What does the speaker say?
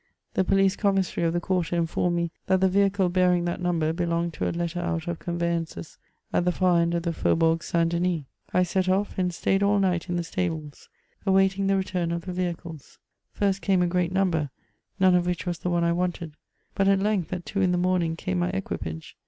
The poHce commissaiy of the quarter informed me tJiat the vehicle bearing that num ber belonged to a letter out of conveyances at the far end of the Faubourg St. Denis ; I set off, and stayed all night in the staUes, awaiting the retoni of i^e vehicles ; &st came a great number, none of which wias the one I wanted ; but at laiigtb, at two in the morning, came my equipage.